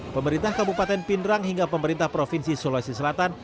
pemerintah kabupaten pindrang hingga pemerintah provinsi sulawesi selatan